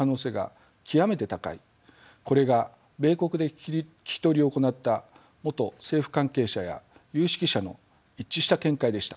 これが米国で聞き取りを行った元政府関係者や有識者の一致した見解でした。